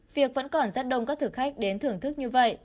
việc vẫn còn rất đông các thực khách đến thưởng thức như vậy